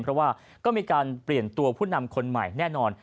เพราะว่าก็มีการเปลี่ยนตัวผู้นำคนใหม่แน่นอน